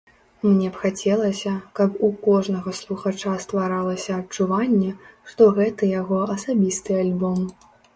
Мне б хацелася, каб у кожнага слухача стваралася адчуванне, што гэта яго асабісты альбом.